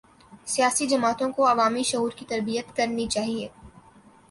سیاسی جماعتوں کو عوامی شعور کی تربیت کرنی چاہیے۔